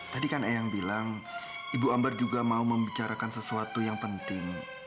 tadi kan eyang bilang ibu ambar juga mau membicarakan sesuatu yang penting